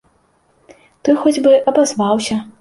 Той хоць бы абазваўся.